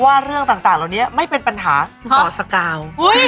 เรื่องต่างเหล่านี้ไม่เป็นปัญหาต่อสกาว